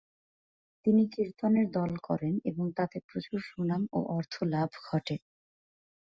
তিনি কীর্তনের দল করেন এবং তাতে প্রচুর সুনাম ও অর্থলাভ ঘটে।